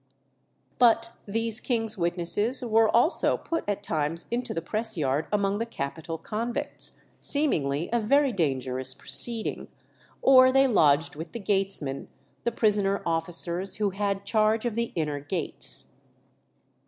But these king's witnesses were also put at times into the press yard among the capital convicts, seemingly a very dangerous proceeding, or they lodged with the gatesmen, the prisoner officers who had charge of the inner gates.